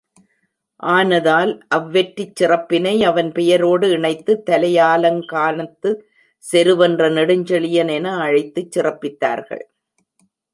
ஆனதால் அவ்வெற்றிச் சிறப்பினை, அவன் பெயரோடு இணைத்துத் தலையாலங்கானத்துச் செருவென்ற நெடுஞ்செழியன் என அழைத்துச் சிறப்பித்தார்கள்.